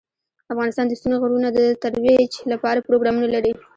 افغانستان د ستوني غرونه د ترویج لپاره پروګرامونه لري.